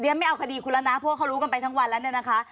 ไม่เอาคดีคุณแล้วนะเพราะว่าเขารู้กันไปทั้งวันแล้วเนี่ยนะคะ